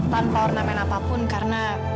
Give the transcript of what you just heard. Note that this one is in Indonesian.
tanpa ornamen apapun karena